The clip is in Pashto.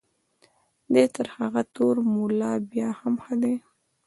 دی تر هغه تور ملا بیا هم ښه دی.